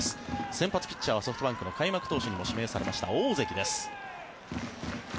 先発ピッチャーはソフトバンクの開幕投手にも指名されました大関です。